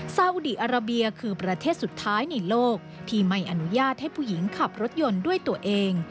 ซาอุดีอาราเบียคือประเทศสุดท้ายในโลกที่ไม่อนุญาตให้ผู้หญิงขับรถยนต์ด้วยตัวเอง